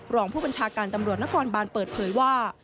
รองผู้บัญชาการตำรวจนครบานเปิดเผยว่า